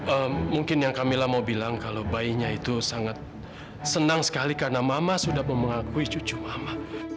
eh mungkin yang kamila mau bilang kalau bayinya itu sangat senang sekali karena mama sudah memengakui cucu mama